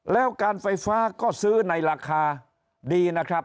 แล้วการไฟฟ้าก็ซื้อในราคาดีนะครับ